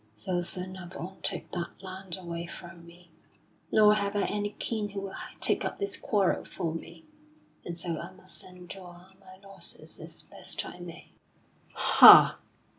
So Sir Nabon took that land away from me; nor have I any kin who will take up this quarrel for me, and so I must endure my losses as best I may." "Ha!"